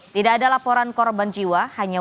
tidak ada laporan korban jiwa hanya warga